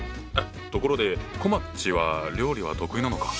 ところでこまっちは料理は得意なのか？